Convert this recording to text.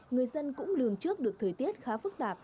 người dân cũng lường trước được thời tiết khá phức tạp